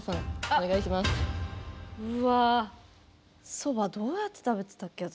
そばどうやって食べてたっけ私。